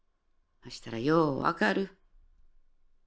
そしたらよう分かる。